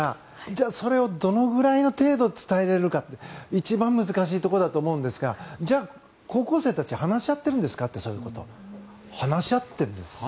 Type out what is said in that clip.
じゃあ、それをどのぐらいの程度伝えられるかって一番難しいところだと思いますがじゃあ、高校生たちそういうことを話し合ってるんですか？